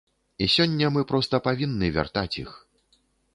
І сёння мы проста павінны вяртаць іх.